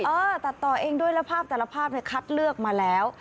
เออตัดต่อเองด้วยแล้วภาพแต่ละภาพเนี่ยคัดเลือกมาแล้ว